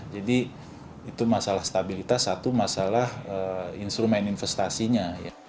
jadi itu masalah stabilitas satu masalah instrumen investasinya